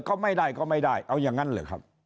ก็ไม่ได้ก็ไม่ได้เอายังงั้นเลยครับ